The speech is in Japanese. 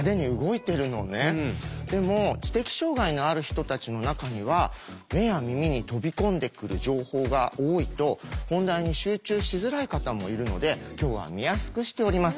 でも知的障害のある人たちの中には目や耳に飛び込んでくる情報が多いと本題に集中しづらい方もいるので今日は見やすくしております。